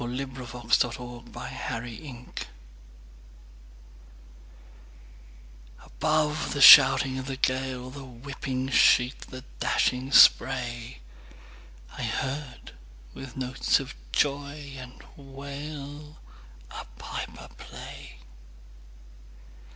Clinton Scollard Bag Pipes at Sea ABOVE the shouting of the gale, The whipping sheet, the dashing spray,I heard, with notes of joy and wail,A piper play.